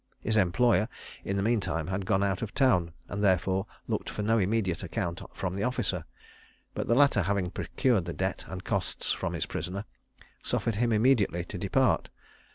His employer, in the mean time, had gone out of town, and therefore looked for no immediate account from the officer; but the latter having procured the debt and costs from his prisoner, suffered him immediately to depart.